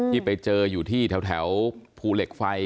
ที่ไปเจออยู่ที่แถวภูเหล็กไฟ